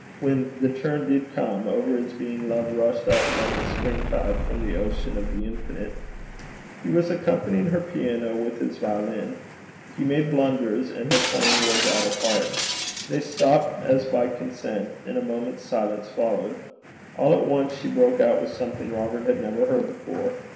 When the turn did come, over his being love rushed up like a spring tide from the ocean of the Infinite. He was accompanying her piano with his violin. He made blunders, and her playing was out of heart. They stopped as by consent, and a moment's silence followed. All at once she broke out with something Robert had never heard before.